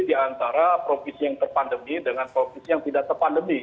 di antara provinsi yang terpandemi dengan provinsi yang tidak terpandemi